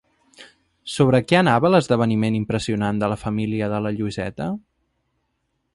Sobre què anava l'esdeveniment impressionant de la família de la Lluïseta?